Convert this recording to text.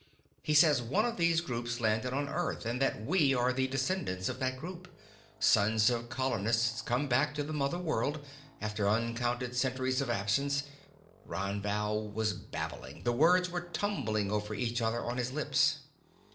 He says one of these groups landed on earth and that we are the descendants of that group, sons of colonists come back to the mother world after uncounted centuries of absence " Ron Val was babbling, the words were tumbling over each other on his lips.